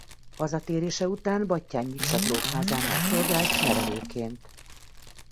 Hazatérése után Batthyány Miksa gróf házánál szolgált nevelőként.